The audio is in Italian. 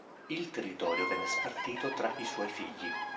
Il territorio venne spartito tra i suoi figli.